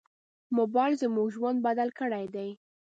موبایل زموږ ژوند بدل کړی دی.